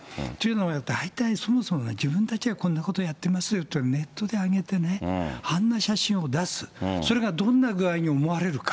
大体、そもそも自分たちがこんなことやってますよというのネットで上げてね、あんな写真を出す、それがどんな具合に思われるか。